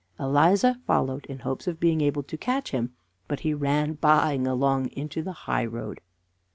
Eliza followed in hopes of being able to catch him, but he ran baaing along into the high road.